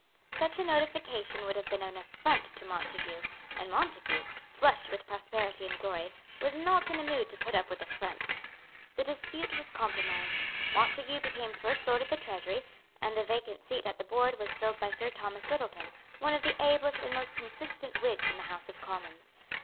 Such a notification would have been an affront to Montague; and Montague, flushed with prosperity and glory, was not in a mood to put up with affronts. The dispute was compromised. Montague became First Lord of the Treasury; and the vacant seat at the Board was filled by Sir Thomas Littleton, one of the ablest and most consistent Whigs in the House of Commons.